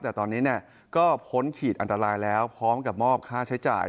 แต่ตอนนี้ก็พ้นขีดอันตรายแล้วพร้อมกับมอบค่าใช้จ่าย